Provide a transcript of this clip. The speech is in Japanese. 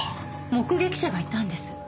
目撃者がいたんです。